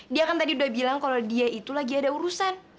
dia kan tadi udah bilang kalau dia itu lagi ada urusan